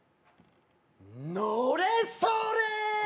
のれそれ！